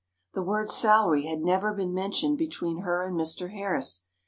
The word "salary" had never been mentioned between her and Mr. Harris.